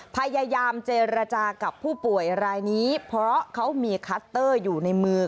พยายามเจรจากับผู้ป่วยรายนี้เพราะเขามีคัตเตอร์อยู่ในมือ